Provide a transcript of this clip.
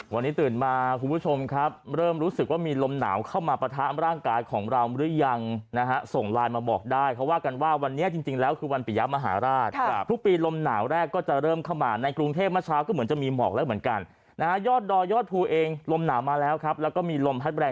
วันนี้ตื่นมาคุณผู้ชมครับเริ่มรู้สึกว่ามีลมหนาวเข้ามาปะทะร่างกายของเราหรือยังนะฮะส่งไลน์มาบอกได้เขาว่ากันว่าวันนี้จริงแล้วคือวันปิยะมหาราชทุกปีลมหนาวแรกก็จะเริ่มเข้ามาในกรุงเทพเมื่อเช้าก็เหมือนจะมีหมอกแล้วเหมือนกันนะฮะยอดดอยยอดภูเองลมหนาวมาแล้วครับแล้วก็มีลมพัดแรง